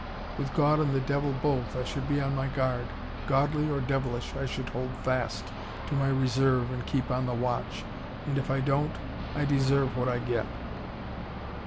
With God and the devil both, I should be on my guard. Godly or devilish, I should hold fast to my reserve and keep on the watch. And if I don't, I deserve what I get."